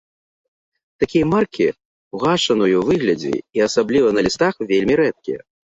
Такія маркі ў гашаную выглядзе, і асабліва на лістах, вельмі рэдкія.